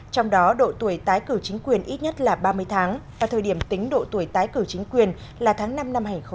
trong đó độ tuổi tái cử chính quyền ít nhất là ba mươi tháng và thời điểm tính độ tuổi tái cử chính quyền là tháng năm năm hai nghìn hai mươi